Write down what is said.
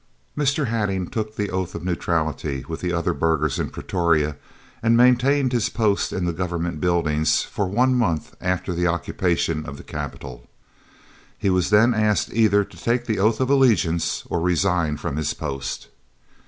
Mr. Hattingh took the oath of neutrality with the other burghers in Pretoria and maintained his post in the Government Buildings for one month after the occupation of the capital. He was then asked either to take the oath of allegiance or resign from his post.